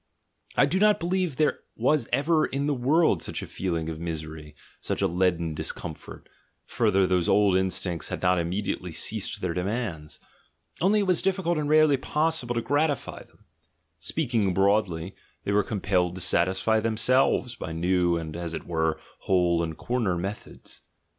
I do not be lieve there was ever in the world such a feeling of misery, such a leaden discomfort — further, those old instincts had not immediately ceased their demands! Only it was dif ficult and rarely possible to gratify them: speaking broadly, they were compelled to satisfy themselves by new and, as it were, hole and corner methods.